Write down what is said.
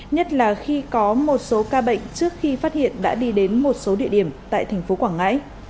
nhất là khi có một số ca bệnh trước khi phát hiện đã đi đến một số địa điểm tại thành phố quảng ngãi